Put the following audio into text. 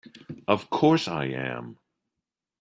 Of course I am!